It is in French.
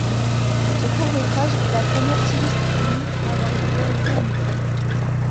Ce court métrage est la première Silly Symphonies à avoir été réalisé en équipe.